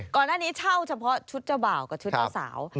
เช่าหน้าเช่าเฉพาะชุดเจ้าบ่าวกับชุดเจ้าสาว